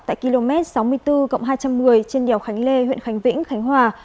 tại km sáu mươi bốn hai trăm một mươi trên đèo khánh lê huyện khánh vĩnh khánh hòa